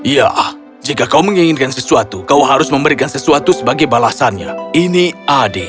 ya jika kau menginginkan sesuatu kau harus memberikan sesuatu sebagai balasannya ini adil